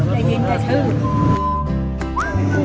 อย่ายินอย่าชื่น